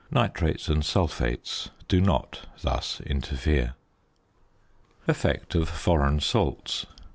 Nitrates and sulphates do not thus interfere. ~Effect of Foreign Salts.